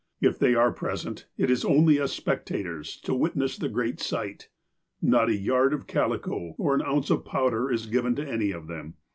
If they are present, it is only as spectators, to witness the great sight. Not a yard of calico, or an ounce of powder, is given to any of them.